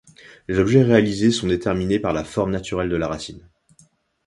Les objets réalisés sont déterminés par la forme naturelle de la racine.